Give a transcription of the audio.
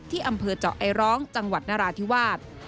อำเภอเจาะไอร้องจังหวัดนราธิวาส